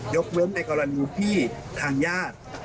ยกเว้นในกรณีที่ทางญาติ